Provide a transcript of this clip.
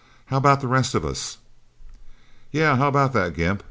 "How about the rest of us?" "Yeah how about that, Gimp?"